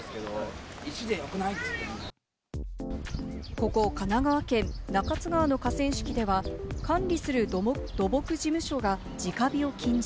ここ神奈川県中津川の河川敷では、管理する土木事務所が、直火を禁止。